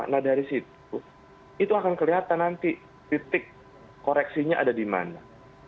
nah dari situ itu akan kelihatan nanti titik koreksinya ada di mana